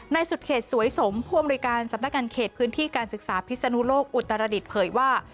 ในสุดเขตสวยสมภวมริการสำนักการเขตพื้นที่การศึกษาพิษนุโลกอุตรดิตเผยว่า